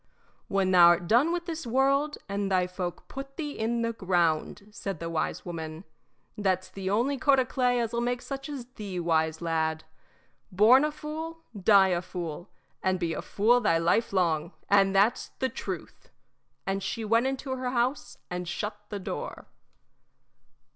"When thou 'rt done with this world, and thy folk put thee in the ground," said the wise woman. "That's the only coat o' clay as 'll make such as thee wise, lad. Born a fool, die a fool, and be a fool thy life long, and that's the truth!" And she went into the house and shut the door.